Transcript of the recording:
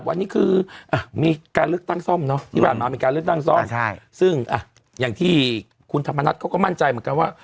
ซึ่งอย่างที่คุณธรรมนัดเขาก็มั่นใจเหมือนกันว่า